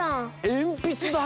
えんぴつだよ！？